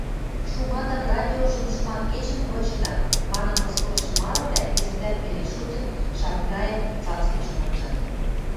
«Шуматын радиожым шуматкечӹн вычыда» манын мыскылышы марывлӓ, кӹзӹтӓт пеле шутен, Шамрайын цацымыжым анжат.